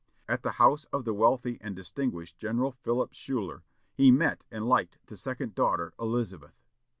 At the house of the wealthy and distinguished General Philip Schuyler, he met and liked the second daughter, Elizabeth.